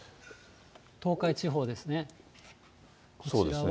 東海地方ですね。